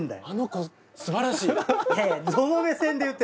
あの子すばらしいわって。